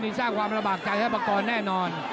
นี่สร้างความระบากใจให้ปากรแน่นอน